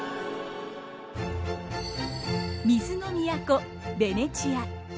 水の都ベネチア。